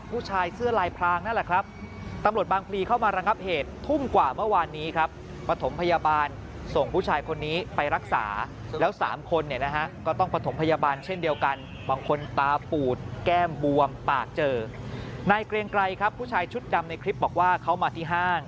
พูดชายชุดดำในคลิปบอกว่าเขามาที่ห้าง